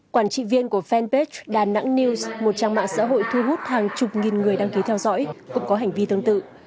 quản trị viên của fanpage đà nẵng news một trang mạng xã hội thu hút hàng chục nghìn người đăng ký theo dõi cũng có hành vi tương tự